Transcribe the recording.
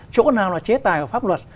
chỗ nào là chế tài và pháp luật